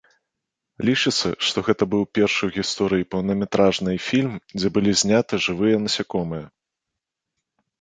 Лічыцца, што гэта быў першы ў гісторыі поўнаметражнай фільм, дзе былі зняты жывыя насякомыя.